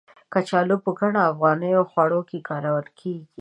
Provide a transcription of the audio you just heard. کچالو په ګڼو افغاني خواړو کې کارول کېږي.